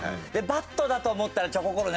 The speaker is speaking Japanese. バットだと思ったらチョココロネ。